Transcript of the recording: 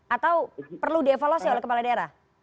atau perlu dievaluasi oleh kepala daerah